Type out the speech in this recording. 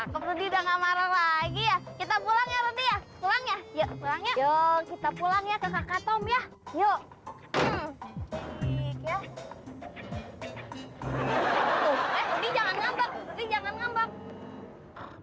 tuh eh rudy jangan ngambak rudy jangan ngambak